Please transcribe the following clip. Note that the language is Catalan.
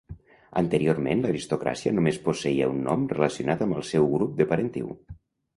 Anteriorment l'aristocràcia només posseïa un nom relacionat amb el seu grup de parentiu.